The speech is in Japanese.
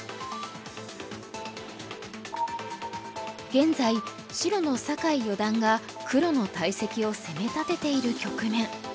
現在白の酒井四段が黒の大石を攻め立てている局面。